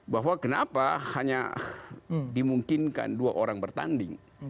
bahwa kenapa hanya dimungkinkan dua orang bertanding